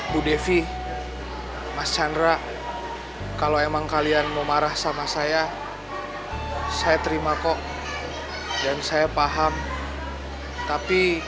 bu devi mas chandra kalau emang kalian mau marah sama saya saya terima kok dan saya paham tapi